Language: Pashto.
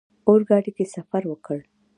اورګاډي کې سفر وکړ.